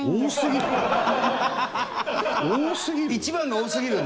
多すぎるの？